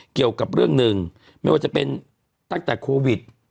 เกี่ยวกับเรื่องหนึ่งไม่ว่าจะเป็นตั้งแต่โควิด